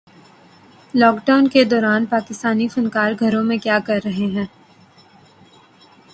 lock Dawn کے دوران پاکستانی فنکار گھروں میں کیا کررہے ہیں